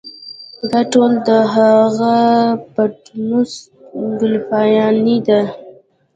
دا ټول د هغه پټنوس ګلپيانې دي.